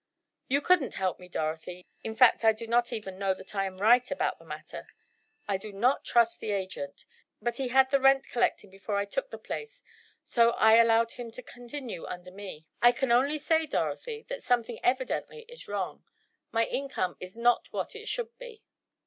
"You couldn't help me, Dorothy, in fact, I do not even know that I am right about the matter. I do not trust the agent, but he had the rent collecting before I took the place, so I allowed him to continue under me. I can only say, Dorothy, that something evidently is wrong. My income is not what it should be."